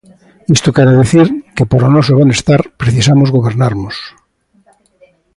Isto quere dicir que para o noso benestar precisamos gobernarmos.